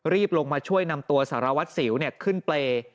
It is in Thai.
รีบลงมาช่วยนำตัวสารวัตรสิวขึ้นเปรย์